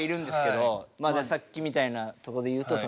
まあねさっきみたいなとこでいうと。